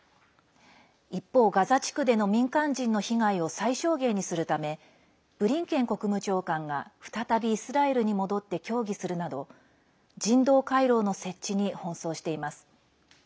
一方、ガザ地区での民間人の被害を最小限にするためブリンケン国務長官が再びイスラエルに戻って協議するなど人道回廊の設置に奔走しています。